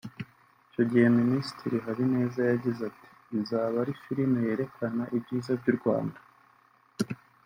Icyo gihe Minisitiri Habineza yagize ati “ Izaba ari Filime yerekana ibyiza by’u Rwanda